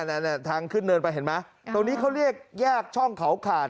นั่นทางขึ้นเนินไปเห็นไหมตรงนี้เขาเรียกแยกช่องเขาขาด